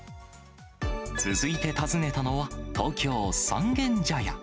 続いて訪ねたのは、東京・三軒茶屋。